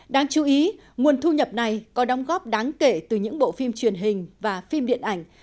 đáng chú ý nguồn thu nhập này có đóng góp đáng kể từ những bộ phim truyền hình và phim điện ảnh